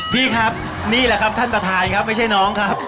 พี่ครับนี่แหละครับท่านประธานครับไม่ใช่น้องครับ